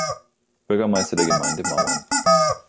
Bürgermeister der Gemeinde Mauern.